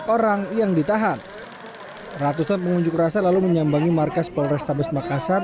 orang yang ditahan ratusan pengunjuk rasa lalu menyambangi markas polrestabes makassar